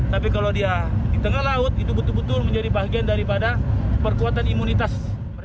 tapi kalau dia di tengah laut itu betul betul menjadi bagian daripada perkuatan imunitas